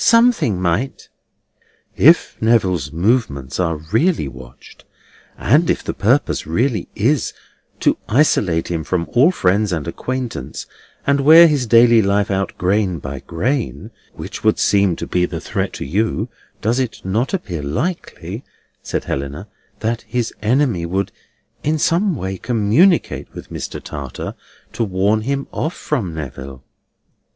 "Something might?" "If Neville's movements are really watched, and if the purpose really is to isolate him from all friends and acquaintance and wear his daily life out grain by grain (which would seem to be the threat to you), does it not appear likely," said Helena, "that his enemy would in some way communicate with Mr. Tartar to warn him off from Neville?